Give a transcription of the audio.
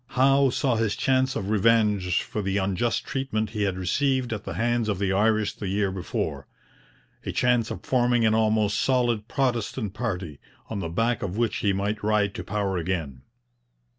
Howe saw his chance of revenge for the unjust treatment he had received at the hands of the Irish the year before a chance of forming an almost solid Protestant party, on the back of which he might ride to power again.